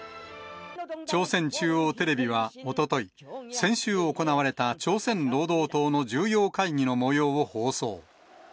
朝鮮中央テレビはおととい、先週行われた朝鮮労働党の重要会議のもようを放送。